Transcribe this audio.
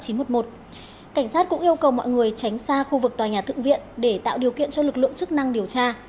cảnh sát cũng yêu cầu mọi người tránh xa khu vực tòa nhà thượng viện để tạo điều kiện cho lực lượng chức năng điều tra